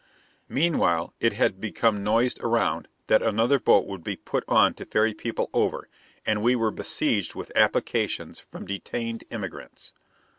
Meanwhile it had become noised around that another boat would be put on to ferry people over, and we were besieged with applications from detained emigrants.